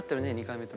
２回目。